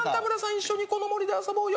一緒にこの森で遊ぼうよ